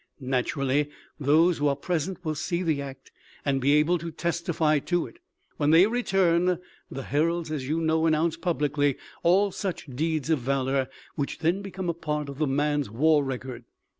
Naturally, those who are present will see the act and be able to testify to it. When they return, the heralds, as you know, announce publicly all such deeds of valor, which then become a part of the man's war record.